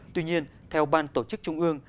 tuy nhiên theo ban tổ chức trung ương